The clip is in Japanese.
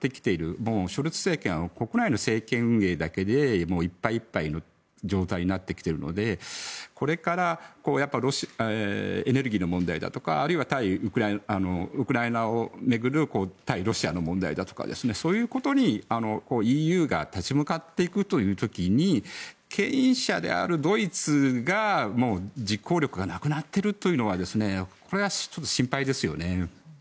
もうショルツ政権は国内の政権運営だけでいっぱいいっぱいの状況になってきているのでこれからエネルギーの問題だとかあるいは対ウクライナを巡る対ロシアの問題だとかそういうことにＥＵが立ち向かっていくという時にけん引者であるドイツが実行力がなくなっているというのはこれは心配ですよね。